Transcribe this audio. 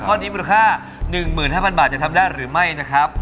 ข้อนี้มูลค่า๑๕๐๐บาทจะทำได้หรือไม่นะครับ